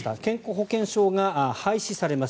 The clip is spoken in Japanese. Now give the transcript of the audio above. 保険証が廃止されます。